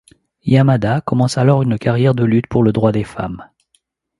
Yamada commence alors une carrière de lutte pour le droits des femmes.